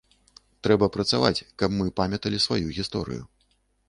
Трэба працаваць, каб мы памяталі сваю гісторыю.